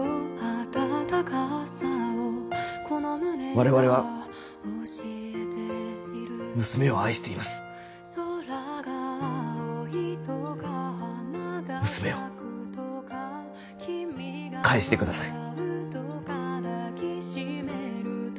我々は娘を愛しています娘を返してください